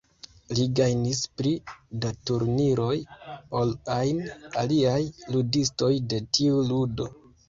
Li gajnis pli da turniroj ol ajn aliaj ludistoj de tiu ludo.